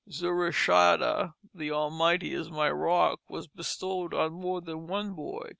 Zurishaddai, the Almighty is my rock, was bestowed on more than one boy.